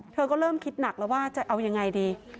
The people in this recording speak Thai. เธอก็เริ่มคิดหนักแล้วว่าจะเอายังไงดี